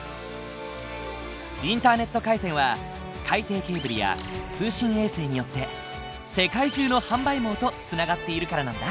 インターネット回線は海底ケーブルや通信衛星によって世界中の販売網とつながっているからなんだ。